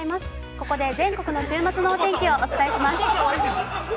ここで全国の週末のお天気をお伝えします。